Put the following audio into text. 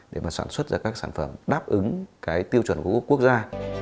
để mà sản xuất ra các sản phẩm đáp ứng cái tiêu chuẩn của quốc gia